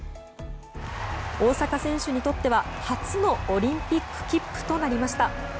大坂選手にとっては初のオリンピック切符となりました。